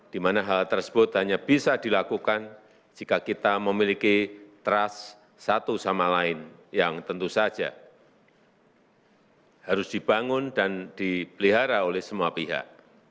di mana hal tersebut hanya bisa dilakukan jika kita memiliki trust satu sama lain yang tentu saja harus dibangun dan dipelihara oleh semua pihak